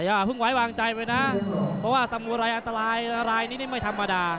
อย่างเพิ่งไหวหว่างใจไหมนะเพราะว่าสมุหรณ์อันตรายอันตรายนี่ไม่ธรรมดา